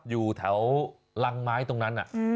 อยู่แถวรังไม้ตรงนั้น